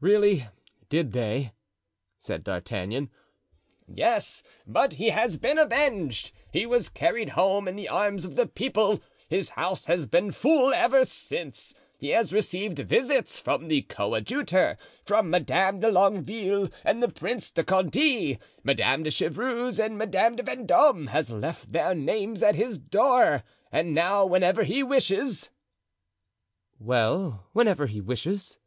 "Really, did they?" said D'Artagnan. "Yes, but he has been avenged. He was carried home in the arms of the people. His house has been full ever since. He has received visits from the coadjutor, from Madame de Longueville, and the Prince de Conti; Madame de Chevreuse and Madame de Vendome have left their names at his door. And now, whenever he wishes——" "Well, whenever he wishes?"